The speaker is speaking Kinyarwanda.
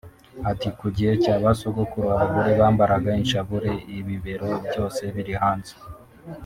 Ati “Ku gihe cya ba sogokuru abagore bambaraga inshabure ibibero byose biri hanze